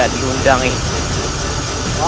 aku akan menemukanmu